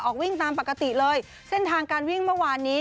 วิ่งตามปกติเลยเส้นทางการวิ่งเมื่อวานนี้